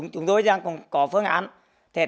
chúng tôi đang có phương án để tiếp tục